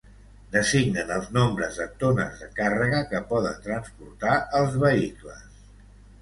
Designen els nombres de tones de càrrega que poden transportar els vehicles.